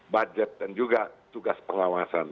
budget dan juga tugas pengawasan